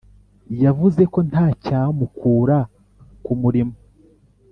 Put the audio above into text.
yavuze ko nta cyamukura ku murimo